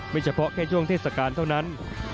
เฉพาะแค่ช่วงเทศกาลเท่านั้น